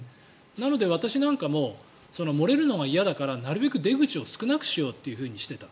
なので、私なんかも漏れるのが嫌だからなるべく出口を少なくしようとしていた。